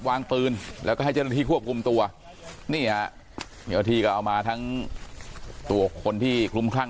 วางปืนแล้วก็ให้เจ้าหน้าที่ควบคุมตัวนี่ฮะเจ้าที่ก็เอามาทั้งตัวคนที่คลุมคลั่ง